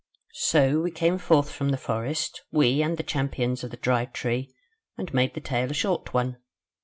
"So we came forth from the forest, we, and the Champions of the Dry Tree; and made the tale a short one.